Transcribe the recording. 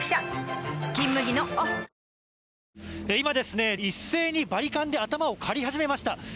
今、一斉にバリカンで頭を刈り始めました。